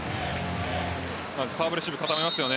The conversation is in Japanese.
まずサーブレシーブ、固めますよね。